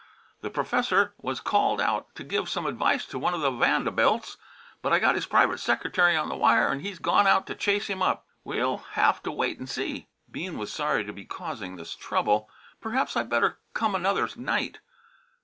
"The Professer was called out t' give some advice to one the Vandabilts. But I got his private secatary on the wire an' he's gone out to chase him up. We'll haf to wait an' see." Bean was sorry to be causing this trouble. "Perhaps I better come another night."